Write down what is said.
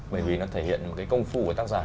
bởi vì nó thể hiện công phu của tác giả